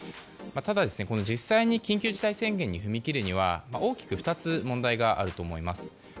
ただ、実際に緊急事態宣言に踏み切るには大きく２つ問題があります。